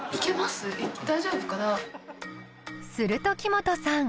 すると木本さん。